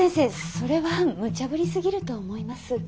それはむちゃぶりすぎると思います。